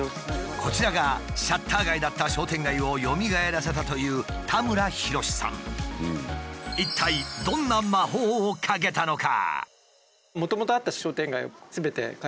こちらがシャッター街だった商店街をよみがえらせたという一体どんな魔法をかけたのか？